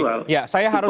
yaitu tidak tersebut